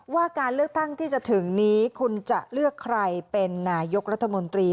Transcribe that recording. ว่าการเลือกตั้งที่จะถึงนี้คุณจะเลือกใครเป็นนายกรัฐมนตรี